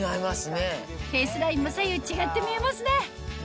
フェースラインも左右違って見えますね